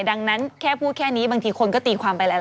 ดังนั้นแค่พูดแค่นี้บางทีคนก็ตีความไปแล้ว